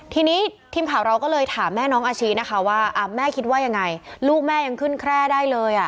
ทีนี้ทีมข่าวเราก็เลยถามแม่น้องอาชินะคะว่าแม่คิดว่ายังไงลูกแม่ยังขึ้นแคร่ได้เลย